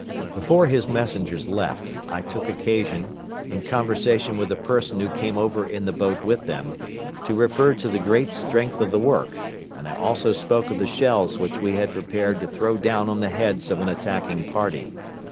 Before his messengers left, I took occasion, in conversation with a person who came over in the boat with them, to refer to the great strength of the work, and I also spoke of the shells which we had prepared to throw down on the heads of an attacking party.